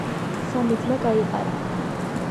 სამი ძმა გაიყარა.